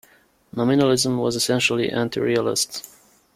Nominalism was essentially anti-Realist.